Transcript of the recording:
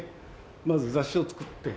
まず雑誌を作って。